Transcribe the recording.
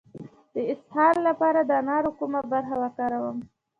د اسهال لپاره د انارو کومه برخه وکاروم؟